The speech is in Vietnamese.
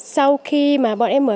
sau khi mà bọn em mở